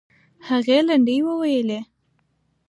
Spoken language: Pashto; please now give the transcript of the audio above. هغې لنډۍ وویلې.